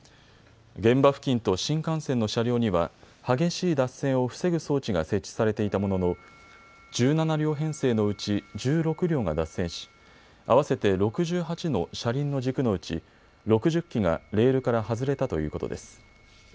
現場付近と新幹線の車両には激しい脱線を防ぐ装置が設置されていたものの１７両編成のうち１６両が脱線し合わせて６８の車輪の軸のうち６０基がレールから外れたということです。